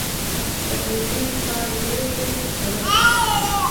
تخلیقي کار ډېر دی، خو کرهکتنه کمه